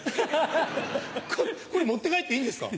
これ持って帰っていいんですか？